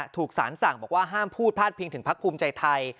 ถูกสารสั่งบอกว่าห้ามพูดพาดพิงถึงพักภูมิใจไทย